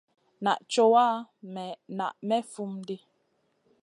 Naʼ cowa, maï naʼ may fum ɗi.